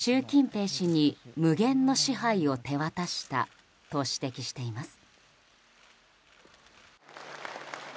中国共産党は習近平氏に無限の支配を手渡したと指摘しています。